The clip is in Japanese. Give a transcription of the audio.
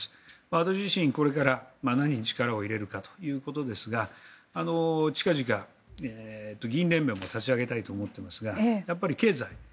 私自身これから何に力を入れるかということですが近々、議員連盟も立ち上げたいと思っていますがやっぱり経済。